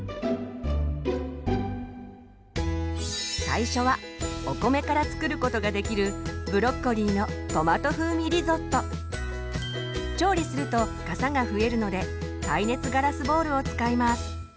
最初はお米から作ることができる調理するとかさが増えるので耐熱ガラスボウルを使います。